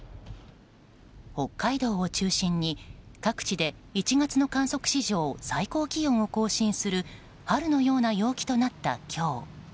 北海道を中心に各地で１月の観測史上最高気温を更新する春のような陽気となった今日。